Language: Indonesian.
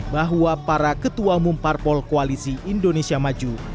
bahwa para ketua mumpar pol koalisi indonesia mekong